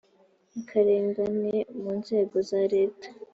akarengane mu nzego za leta